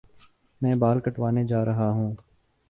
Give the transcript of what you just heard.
میں بال کٹوانے جا رہا ہوں